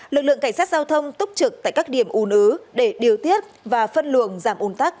lực lượng cảnh sát giao thông túc trực tại các điểm ô nớ để điều tiết và phân luồng giảm ôn tắc